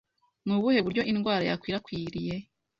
Ni ubuhe buryo indwara yakwirakwiriye?